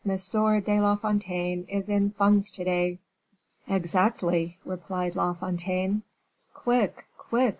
de la Fontaine is in funds to day." "Exactly," replied La Fontaine. "Quick, quick!"